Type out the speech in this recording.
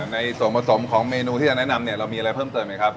ในส่วนผสมของเมนูที่จะแนะนำเนี่ยเรามีอะไรเพิ่มเติมไหมครับ